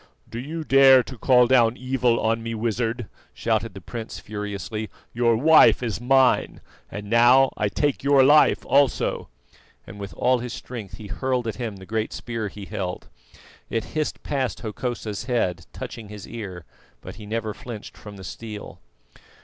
"Do you dare to call down evil on me, Wizard?" shouted the prince furiously. "Your wife is mine, and now I take your life also," and with all his strength he hurled at him the great spear he held. It hissed past Hokosa's head, touching his ear, but he never flinched from the steel.